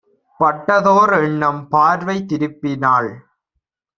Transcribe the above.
பட்டதோர் எண்ணம்! பார்வை திருப்பினாள்: